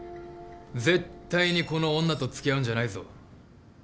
絶対にこの女と付き合うんじゃないぞ。